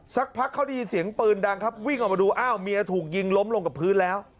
สักพักเขาได้ยินเสียงปืนดังครับวิ่งออกมาดูอ้าวเมียถูกยิงล้มลงกับพื้นแล้ว